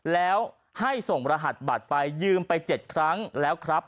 แล้วให้ส่งรหัสบัตรไปยืมไป๗ครั้งแล้วครับ